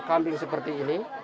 kambing seperti ini